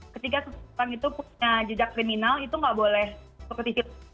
ketika sesuatu orang itu punya jejak kriminal itu gak boleh ketikirin